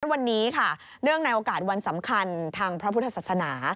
วันนี้ค่ะเนื่องในโอกาสวันสำคัญทางพระพุทธศาสนา